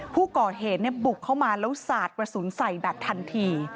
ผู้ก่อเหตุบุกเข้ามาแล้วสาดกระสุนใส่แบบทันที